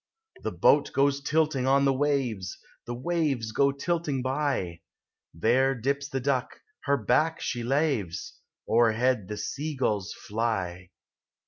The boat goes tilting on the waves; The waves go tilting by; There dips the duck, — net back she laves; O'erhead the sea gulls fly.